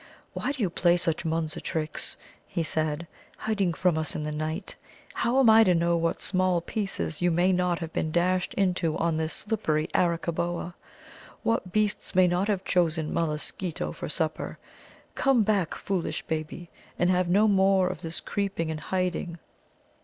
"Why do you play such Munza tricks," he said "hiding from us in the night? How am I to know what small pieces you may not have been dashed into on this slippery Arakkaboa? What beasts may not have chosen Mulla skeeto for supper? Come back, foolish baby, and have no more of this creeping and hiding!"